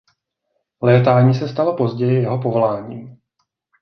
Létání se stalo později jeho povoláním.